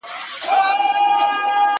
• تش له بګړیو له قلمه دی، بېدیا کلی دی -